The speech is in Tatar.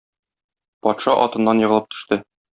Патша атыннан егылып төште.